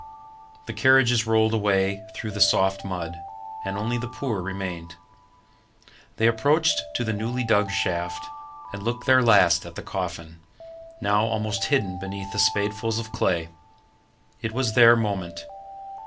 The carriages rolled away through the soft mud, and only the poor remained. They approached to the newly dug shaft and looked their last at the coffin, now almost hidden beneath the spadefuls of clay. It was their moment.